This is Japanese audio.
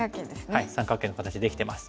はい三角形の形できてます。